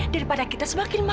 daripada kita semakin malu